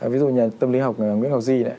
ví dụ nhà tâm lý học nguyễn học di